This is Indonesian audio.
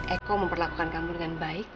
eko memperlakukan kamu dengan baik